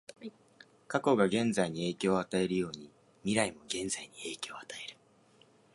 過去が現在に影響を与えるように、未来も現在に影響を与える。